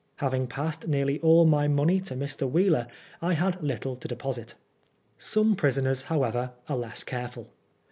Having passed nearly all my money to Mr. Wheeler, I had little to deposit. Some prisoners, however, are less careful.